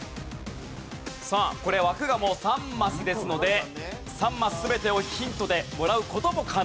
さあこれ枠がもう３マスですので３マス全てをヒントでもらう事も可能という状況。